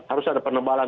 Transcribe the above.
harus ada penebalan